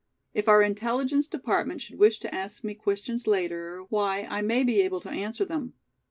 If our Intelligence Department should wish to ask me questions later, why I may be able to answer them."